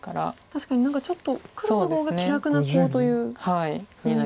確かに何かちょっと黒の方が気楽なコウという雰囲気ですか。